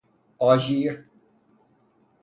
آژیر